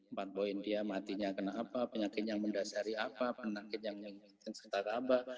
empat poin dia matinya kena apa penyakitnya mendasari apa penyakitnya menghentak apa